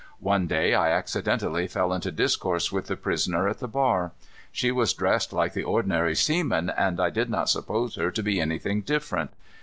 One day I accidentally fell into discourse with the prisoner at the bar. She was dressed like the ordinary seamen, and I did not suppose her to be anything different.